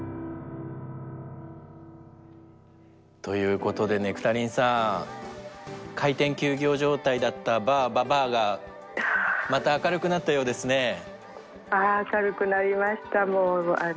ということでネクタリンさん開店休業状態だったバーＢＢＡがまた明るくなったようですね。